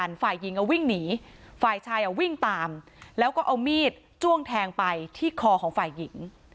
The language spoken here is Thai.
ฝ่ายหญิงก็วิ่งหนีฝ่ายชายอ่ะวิ่งตามแล้วก็เอามีดจ้วงแทงไปที่คอของฝ่ายหญิง